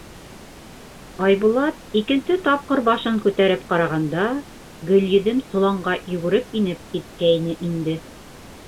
Айбулат икенсе тапҡыр башын күтәреп ҡарағанда, Гөлйөҙөм соланға йүгереп инеп киткәйне инде.